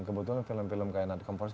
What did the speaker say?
kebetulan film film kayak night conference